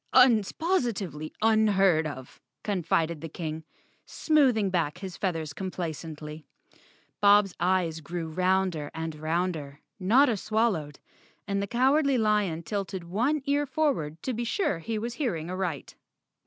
Un's positively unheard of," con¬ fided the King, smoothing back his feathers compla¬ cently. Bob's eyes grew rounder and rounder, Notta swallowed, and the Cowardly Lion tilted one ear for¬ ward to be sure he was hearing aright.